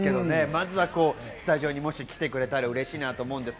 まずはスタジオにもし来てくれたら嬉しいなと思います。